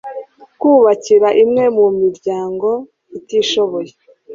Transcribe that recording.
kubakira imwe mu miryango itishoboye